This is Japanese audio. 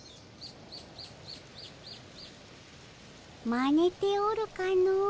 まねておるかの。